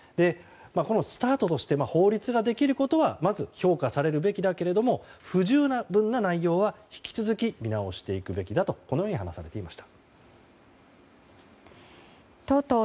スタートとして法律ができることはまず評価されるべきだけれども不十分な内容は引き続き見直していくべきだと話されていました。